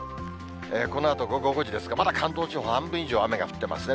このあと午後５時ですが、まだ関東地方、半分以上雨が降ってますね。